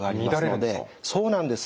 そうなんです。